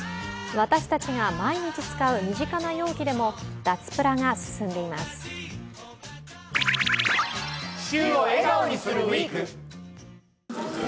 私たちが毎日使う身近な容器でも脱プラが進んでいます。